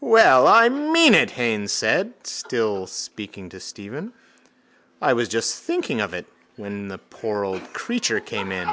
—Well, I mean it, Haines said, still speaking to Stephen. I was just thinking of it when that poor old creature came in.